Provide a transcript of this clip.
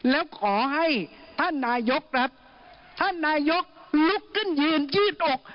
แล้วขอให้ท่านนายกครับท่านนายกลุกขึ้นยืนยืดอก